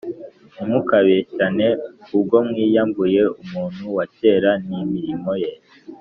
Ntimukabeshyane ubwo mwiyambuye umuntu wa kera n’imirimo ye